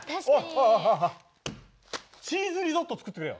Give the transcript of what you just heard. チーズリゾットを作ってくれよ。